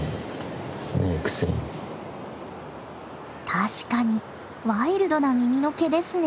確かにワイルドな耳の毛ですね。